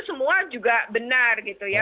semua juga benar gitu ya